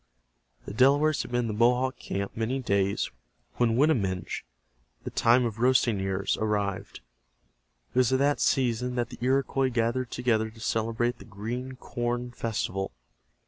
The Delawares had been in the Mohawk camp many days when Winaminge, The Time Of Roasting Ears, arrived. It was at that season that the Iroquois gathered together to celebrate the Green Corn Festival.